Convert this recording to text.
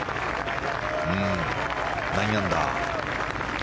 ９アンダー。